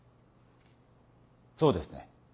そうですね？